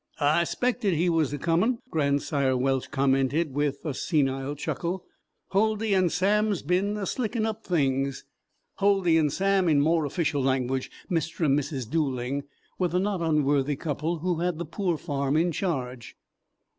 "I 'spected he was a comin'," Grandsire Welsh commented, with a senile chuckle. "Huldy and Sam's been a slickin' up things." "Huldy and Sam," in more official language Mr. and Mrs. Dooling, were the not unworthy couple who had the poor farm in charge.